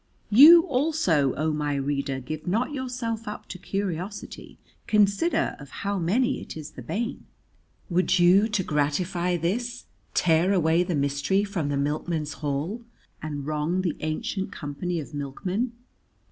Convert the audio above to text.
You also, O my reader, give not yourself up to curiosity. Consider of how many it is the bane. Would you to gratify this tear away the mystery from the Milkmen's Hall and wrong the Ancient Company of Milkmen?